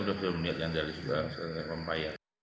saya sudah melihatnya dari seluruh pembaian